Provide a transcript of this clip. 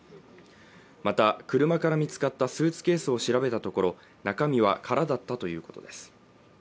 また車から見つかったスーツケースを調べたところ中身は空だったということです